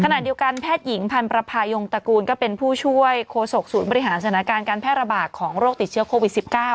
ขณะเดียวกันแพทย์หญิงพันธ์ประพายงตระกูลก็เป็นผู้ช่วยโคศกศูนย์บริหารสถานการณ์การแพร่ระบาดของโรคติดเชื้อโควิด๑๙